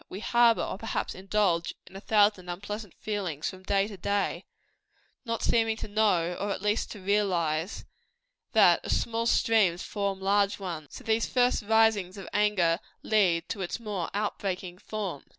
We harbor or perhaps indulge a thousand unpleasant feelings from day to day, not seeming to know, or at least to realize, that as small streams form larger ones, so these first risings of anger lead to its more out breaking forms.